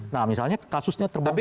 nah misalnya kasusnya terbongkar